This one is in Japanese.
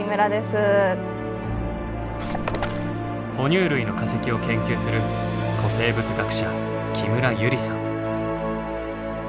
哺乳類の化石を研究する古生物学者木村由莉さん。